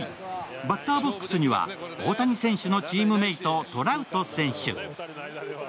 バッターボックスには大谷選手のチームメート、トラウト選手。